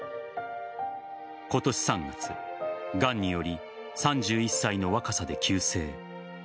今年３月がんにより３１歳の若さで急逝。